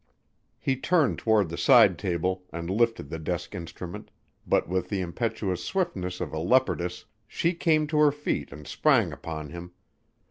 He turned toward the side table and lifted the desk instrument, but with the impetuous swiftness of a leopardess she came to her feet and sprang upon him.